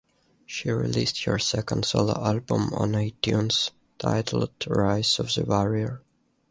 She released her second solo album on iTunes, titled Rise of the Warrior.